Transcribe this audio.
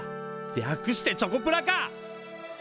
略してチョコプラか！